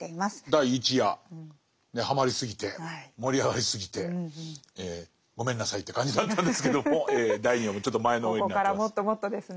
第１夜はまりすぎて盛り上がりすぎてごめんなさいって感じだったんですけども第２夜もちょっと前のめりになってます。